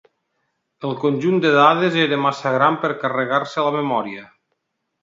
El conjunt de dades era massa gran per carregar-se a la memòria.